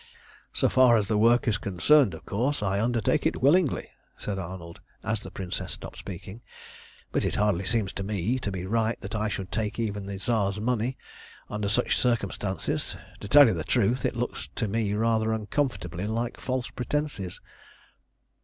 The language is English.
"So far as the work is concerned, of course, I undertake it willingly," said Arnold, as the Princess stopped speaking. "But it hardly seems to me to be right that I should take even the Tsar's money under such circumstances. To tell you the truth, it looks to me rather uncomfortably like false pretences."